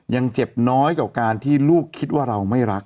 ยังเจ็บน้อยกว่าการที่ลูกคิดว่าเราไม่รัก